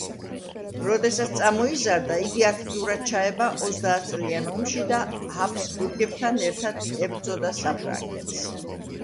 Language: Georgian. როდესაც წამოიზარდა, იგი აქტიურად ჩაება ოცდაათწლიან ომში და ჰაბსბურგებთან ერთად ებრძოდა საფრანგეთს.